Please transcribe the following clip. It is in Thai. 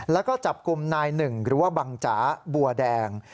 แล้วก็จับกลุ่มนายหนึ่งหรือว่าบังจ๋าบัวแดง